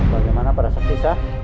bagaimana para saksi sah